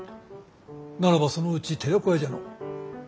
ならばそのうち寺子屋じゃのう。